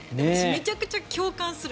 めちゃくちゃ共感する。